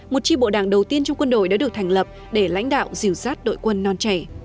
một tri bộ đảng đầu tiên trong quân đội đã được thành lập để lãnh đạo dìu sát đội quân non trẻ